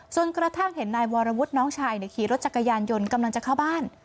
ส่วนกระทั่งเห็นนายวรวุฒิน้องชายขี่รถจักรยานยนต์กำลังจะเข้าบ้าน